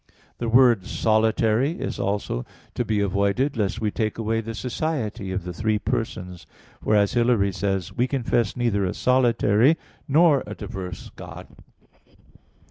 The word "solitary" is also to be avoided, lest we take away the society of the three persons; for, as Hilary says (De Trin. iv), "We confess neither a solitary nor a diverse God."